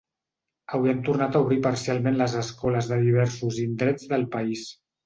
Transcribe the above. Avui han tornat a obrir parcialment les escoles de diversos indrets del país.